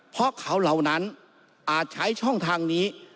เพราะเขาเหล่านั้นอาจใช้ช่องทางนี้